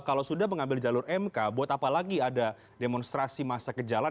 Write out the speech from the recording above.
kalau sudah mengambil jalur mk buat apa lagi ada demonstrasi masa ke jalan